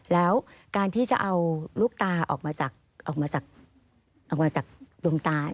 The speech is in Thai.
แล้วการที่จะเอาลูกตาออกมาจากดวงตา